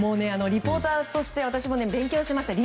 リポーターとして私も勉強しました。